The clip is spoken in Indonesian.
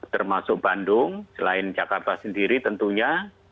termasuk bandung selain jakarta